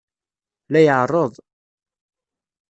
La iɛerreḍ.